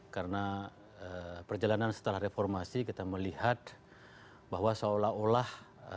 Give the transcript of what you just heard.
karena perjalanan setelah reformasi kita melihat bahwa seolah olah